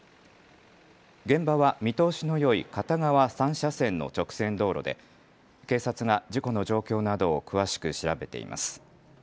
現場は見通しのよい片側３車線の直線道路で警察が事故の状況などを詳しく調べています。